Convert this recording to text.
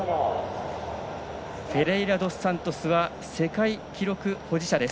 フェレイラドスサントスは世界記録保持者です